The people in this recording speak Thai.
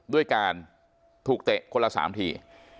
ด้วยการถูกเตะคนละ๓ที